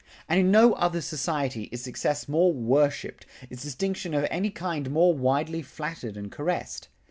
And in no other society is success more worshiped, is distinction of any kind more widely flattered and caressed.